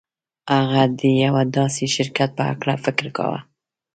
هغه د یوه داسې شرکت په هکله فکر کاوه